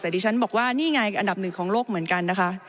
แต่ดิฉันบอกว่านี่ไงอันดับหนึ่งของโลกเหมือนกันนะคะ